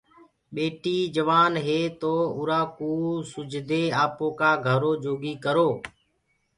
ٻٽيٚ جوآن هي تو اُرا ڪو سُجھدي آپو ڪآ گھرو جوگي ڪرو۔